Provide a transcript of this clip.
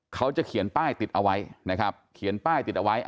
เค้าจะเขียนป้ายติดเอาไว้